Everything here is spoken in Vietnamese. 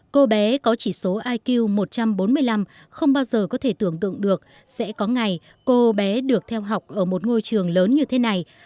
cô bé có chỉ số iq một trăm bốn mươi năm không bao giờ có thể tưởng tượng được sẽ có ngày cô bé được theo học ở một ngôi trường lớn như thế này